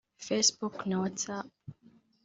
Facebook na WhatsApp